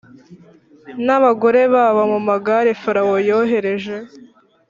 n abagore babo mu magare Farawo yohereje